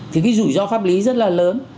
thì cái rủi ro pháp lý rất là lớn